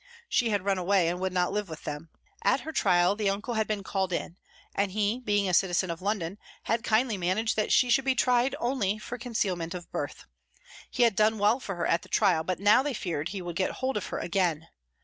She had run away, and would not live with them. At her trial the uncle had been called in, and he, being a Citizen of FROM THE CELLS 199 London, had kindly managed that she should be tried only for concealment of birth. He had done well for her at the trial, but now they feared he would get hold of her again.